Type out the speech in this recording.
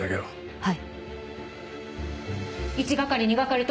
はい！